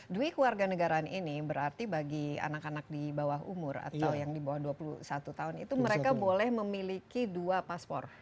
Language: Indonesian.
dwi keluarga negaraan ini berarti bagi anak anak di bawah umur atau yang di bawah dua puluh satu tahun itu mereka boleh memiliki dua paspor